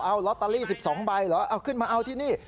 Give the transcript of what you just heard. เอาลอตเตอรี่๑๒ใบเหรอเอาขึ้นมาเอาที่นี่